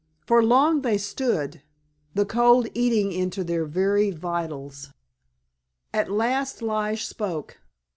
For long they stood, the cold eating into their very vitals. At last Lige spoke.